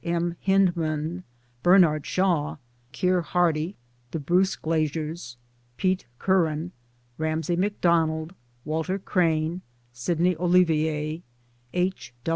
M. Hyndman, Bernard Shaw, Keir Hardie, the Bruce Glasiers, Pete Curran, Ramsay Macdonald, Walter Crane, Sydney Olivier, H.